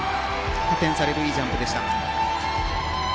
加点されるいいジャンプでした。